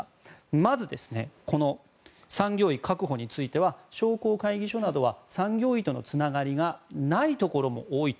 まず、産業医確保については商工会議所などは産業医とのつながりがないところも多いと。